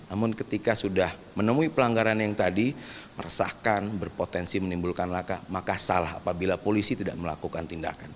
namun ketika sudah menemui pelanggaran yang tadi meresahkan berpotensi menimbulkan laka maka salah apabila polisi tidak melakukan tindakan